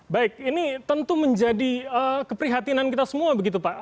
baik ini tentu menjadi keprihatinan kita semua begitu pak